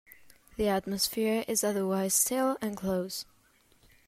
The atmosphere is otherwise stale and close.